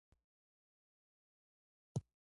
ملګري خوشحال طیب راډیو خبریال و.